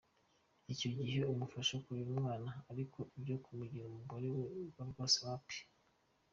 Icyo gihe umufasha kurera umwana , ariko ibyo kumugira umugore wawe byo rwose wapi.